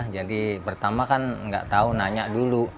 jadi pertama kan nggak tahu nanya dulu